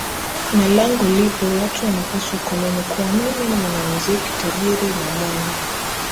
na langu lipo Watu wanapaswa kuamini kuwa mimi ni mwanamuziki tajiri na mwenye